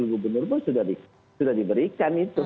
yang sebetulnya sebelum pak arija menjadi wajar pak arija menjadi wajar